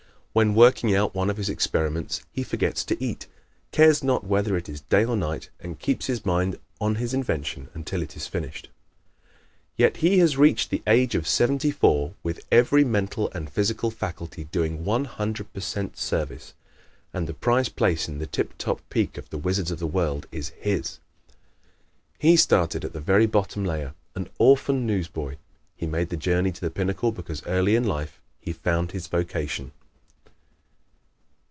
When working out one of his experiments he forgets to eat, cares not whether it is day or night and keeps his mind on his invention until it is finished. Yet he has reached the age of seventy four with every mental and physical faculty doing one hundred per cent service and the prize place in the tip top peak of the Wizards of the World is his! He started at the very bottom layer, an orphan newsboy. He made the journey to the pinnacle because early in life he found his vocation.